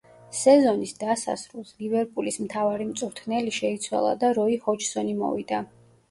სეზონის დასასრულს ლივერპულის მთავარი მწვრთნელი შეიცვალა და როი ჰოჯსონი მოვიდა.